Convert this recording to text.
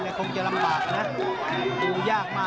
แข็งแรงด้วยนะ